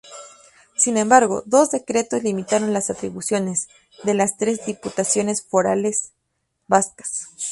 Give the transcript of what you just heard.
Sin embargo, dos decretos limitaron las atribuciones de las tres diputaciones forales vascas.